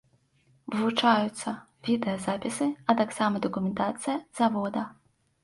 Вывучаюцца відэазапісы, а таксама дакументацыя завода.